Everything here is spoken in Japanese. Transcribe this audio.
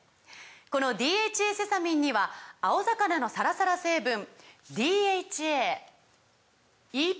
この「ＤＨＡセサミン」には青魚のサラサラ成分ＤＨＡＥＰＡ